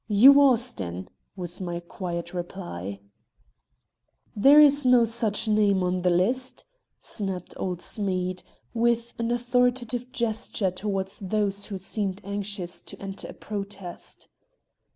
"Hugh Austin," was my quiet reply. "There is no such name on the list," snapped old Smead, with an authoritative gesture toward those who seemed anxious to enter a protest.